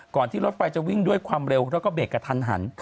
ที่รถไฟจะวิ่งด้วยความเร็วแล้วก็เบรกกระทันหัน